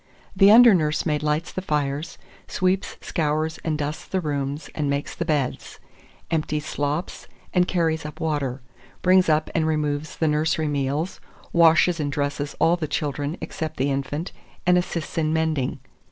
The under nursemaid lights the fires, sweeps, scours, and dusts the rooms, and makes the beds; empties slops, and carries up water; brings up and removes the nursery meals; washes and dresses all the children, except the infant, and assists in mending.